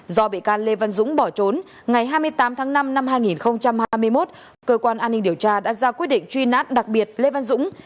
do bị can lê văn dũng bỏ trốn ngày hai mươi tám tháng năm năm hai nghìn hai mươi một cơ quan an ninh điều tra đã ra quyết định truy nã đặc biệt lê văn dũng